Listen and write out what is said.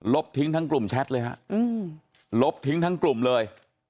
ทิ้งทั้งกลุ่มแชทเลยฮะลบทิ้งทั้งกลุ่มเลย